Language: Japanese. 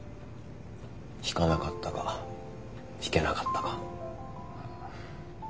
弾かなかったか弾けなかったか。